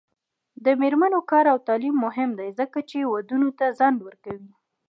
د میرمنو کار او تعلیم مهم دی ځکه چې ودونو ته ځنډ ورکوي.